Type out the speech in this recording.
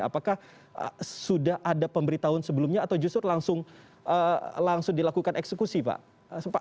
apakah sudah ada pemberitahuan sebelumnya atau justru langsung dilakukan eksekusi pak